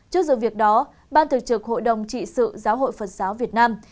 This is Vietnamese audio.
trước dự việc đó ban thực trực hội đồng trị sự giáo hội phật giáo việt nam